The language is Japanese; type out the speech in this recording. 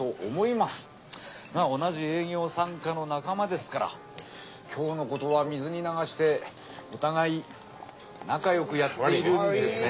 まあ同じ営業三課の仲間ですから今日のことは水に流してお互い仲よくやっているんですね